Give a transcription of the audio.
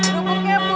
krupuk ya bu